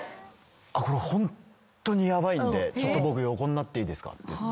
これホンットにヤバいんで僕横になっていいですかって言って。